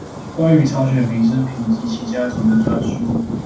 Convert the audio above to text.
關於曹雪芹生平及其家族的專書